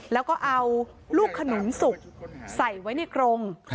แล้วก็เอาลูกขนุนสุกใส่ไว้ในกรง